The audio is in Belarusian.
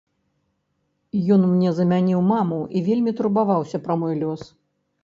Ён мне замяніў маму і вельмі турбаваўся пра мой лёс.